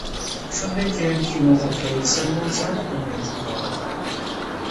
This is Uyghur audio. شۇندىن كېيىن كىنوغا ئاپىراي دېسەممۇ زادىلا ئۇنىمايدىغان بولدى.